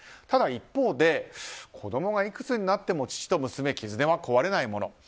ただ、一方で子供がいくつになっても父と娘、絆は壊れないもの。